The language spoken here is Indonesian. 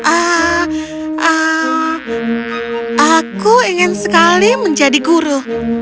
ah aku ingin sekali menjadi guru